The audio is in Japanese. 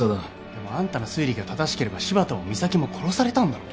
でもあんたの推理が正しければ柴田も三崎も殺されたんだろ？